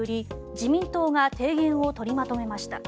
自民党が提言を取りまとめました。